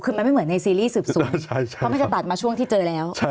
คือมันไม่เหมือนในซีรีส์สืบสวนเพราะมันจะตัดมาช่วงที่เจอแล้ว